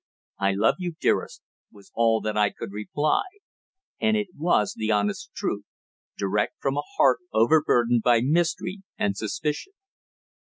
"I love you, dearest!" was all that I could reply; and it was the honest truth, direct from a heart overburdened by mystery and suspicion.